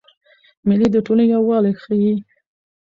مېلې د ټولني یووالی ښيي.